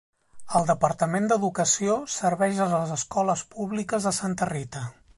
El Departament d'educació serveix a les escoles públiques de Santa Rita.